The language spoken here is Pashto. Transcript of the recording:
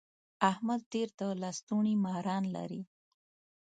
احمد ډېر د لستوڼي ماران لري.